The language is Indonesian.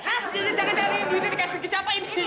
hah iya iya jangan jangan ini duitnya dikasih ke siapa ini